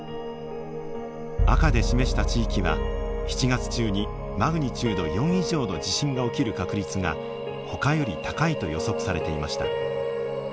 赤で示した地域は７月中にマグニチュード４以上の地震が起きる確率がほかより高いと予測されていました。